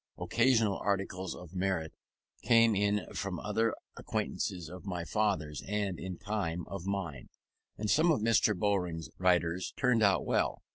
Occasional articles of merit came in from other acquaintances of my father's, and, in time, of mine; and some of Mr. Bowring's writers turned out well.